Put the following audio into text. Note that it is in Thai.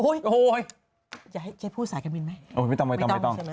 โอ้ยจะให้พูดสายการบินไหมไม่ต้องไม่ต้อง